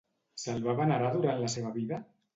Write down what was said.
Se'l va venerar durant la seva vida?